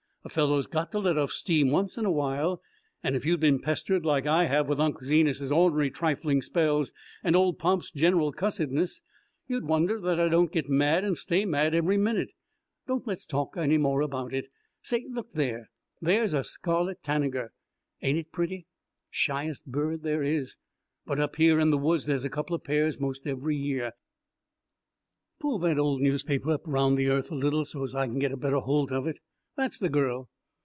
A fellow's got to let off steam once in a while, and if you'd been pestered like I have with Unc' Zenas's ornery trifling spells and old Pomp's general cussedness, you'd wonder that I don't get mad and stay mad every minute. Don't let's talk any more about it. Say, look there there's a scarlet tanager! Ain't it pretty? Shyest bird there is, but up here in the woods there's a couple pairs 'most every year. Pull that old newspaper up round the earth a little, so's I can get a better holt of it. That's the girl.